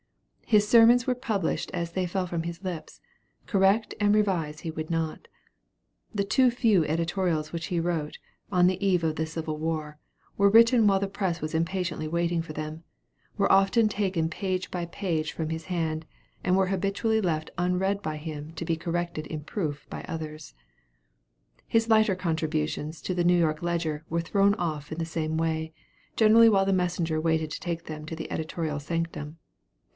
His sermons were published as they fell from his lips, correct and revise he would not. The too few editorials which he wrote, on the eve of the Civil War, were written while the press was impatiently waiting for them, were often taken page by page from his hand, and were habitually left unread by him to be corrected in proof by others. [Illustration: HENRY WARD BEECHER.] His lighter contributions to the New York Ledger were thrown off in the same way, generally while the messenger waited to take them to the editorial sanctum.